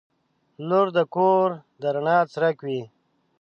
• لور د کور د رڼا څرک وي.